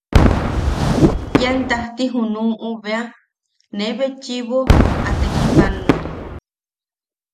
Ian tajti junuʼu bea, ne betchiʼibo a tekipanoa.